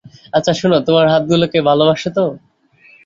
আচ্ছা, শোনো, তোমার হাতগুলোকে ভালোবাসো তো?